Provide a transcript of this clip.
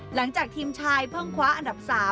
หลังจากทีมชายเพิ่งคว้าอันดับ๓